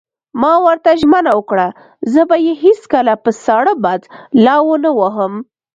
ما ورته ژمنه وکړه: زه به یې هېڅکله په ساړه باد لا ونه وهم.